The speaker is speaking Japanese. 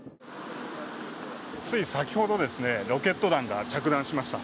つい先ほど、ロケット弾が着弾しました。